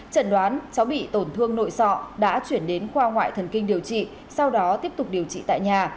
chẩn đoán cháu bị tổn thương nội sọ đã chuyển đến khoa ngoại thần kinh điều trị sau đó tiếp tục điều trị tại nhà